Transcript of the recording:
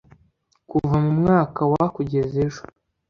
kuva mu mwaka wa kugeza ejo